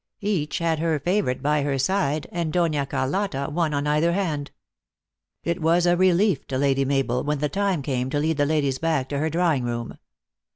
Each had her favorite by her side, and Dona Carlotta one on either hand. It was a relief to Lady Mabel when the time came to lead the ladies back to her drawing room.